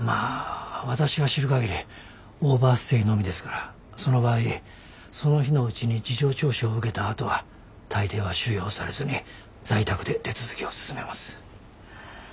私が知る限りオーバーステイのみですからその場合その日のうちに事情聴取を受けたあとは大抵は収容されずに在宅で手続きを進めます。